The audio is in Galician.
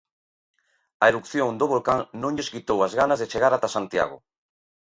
A erupción do volcán non lles quitou as ganas de chegar ata Santiago.